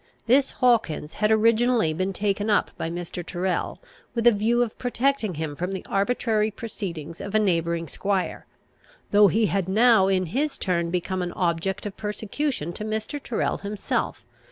This Hawkins had originally been taken up by Mr. Tyrrel, with a view of protecting him from the arbitrary proceedings of a neighbouring squire, though he had now in his turn become an object of persecution to Mr. Tyrrel himself.